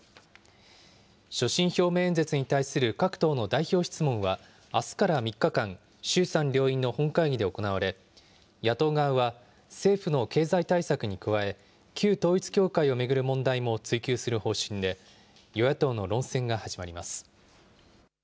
所信表明演説に対する各党の代表質問は、あすから３日間、衆参両院の本会議で行われ、野党側は政府の経済対策に加え、旧統一教会を巡る問題も追及する方針で、与野党の論戦が始まりま